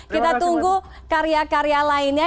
kita tunggu karya karya lainnya